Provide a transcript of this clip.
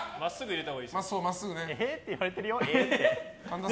えーって言われてるよ。